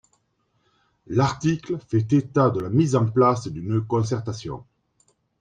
L’article fait état de la mise en place d’une concertation.